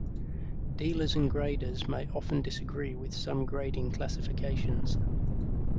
Dealers and graders may often disagree with some grading classifications.